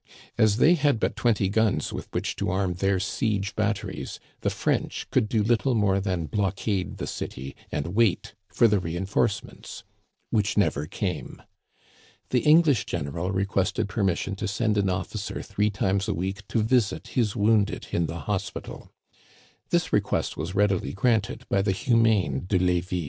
As they had but twenty guns with which to arm their siege batteries, the French could do little more than blockade the city and wait for the re enforcements which, never came. The English general requested permission to send an officer three times a week to visit his wounded in the hospital This request was readily granted by the humane De Levis.